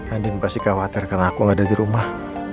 andin pasti khawatir karena aku gak ada di rumah